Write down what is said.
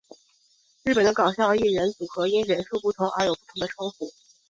日本的搞笑艺人组合因人数不同而有不同的称呼。